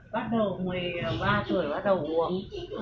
bắt đầu một mươi ba tuổi bắt đầu uống